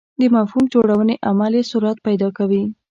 د مفهوم جوړونې عمل یې سرعت پیدا کوي.